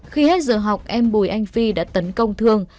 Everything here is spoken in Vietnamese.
khi hết giờ học em bùi anh phi đã tấn công thương